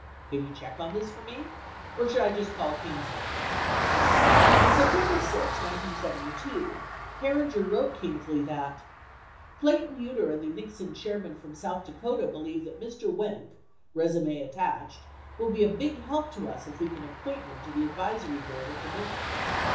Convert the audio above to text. Can you check on this for me ? Or should I just call Kingsley % On September 6, 1972, Herringer wrote Kingsley that : Clayton Yeutter and the Nixon Chairman from South Dakota believe that Mr. Wenk (resume attached) will be a big help to us if we can appoint him to an advisory board or commission.